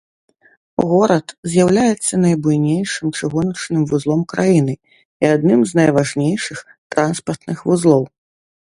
Горад з'яўляецца найбуйнейшым чыгуначным вузлом краіны і адным з найважнейшых транспартных вузлоў.